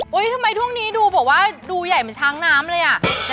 พี่เอ๋ทำไมทุกนี้ดูเหมือนบอกว่าดูใหญ่เหมือนช้างน้ำเลย